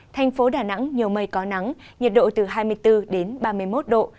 thành phố đà nẵng nhiều mây có nắng nhiệt độ từ hai mươi bốn đến ba mươi một độ